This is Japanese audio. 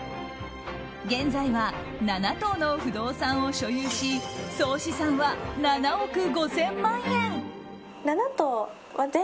現在は７棟の不動産を所有し総資産は７億５０００万円。